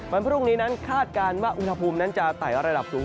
วันพรุ่งนี้นั้นคาดการณ์ว่าอุณหภูมินั้นจะไต่ระดับสูง